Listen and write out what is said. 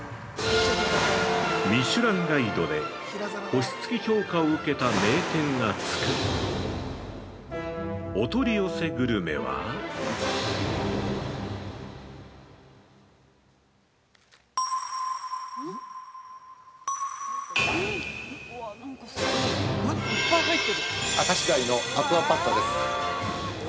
◆ミシュランガイドで星付き評価を受けた名店が作るお取り寄せグルメは◆明石鯛のアクアパッツァです。